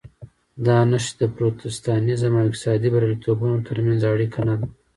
دا نښې د پروتستانېزم او اقتصادي بریالیتوبونو ترمنځ اړیکه نه ده.